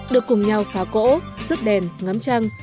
được cùng nhau phá cỗ giúp đèn ngắm trăng